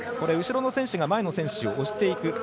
後ろの選手が前の選手を押していく。